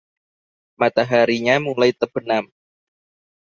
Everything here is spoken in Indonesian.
Mataharinya mulai terbenam.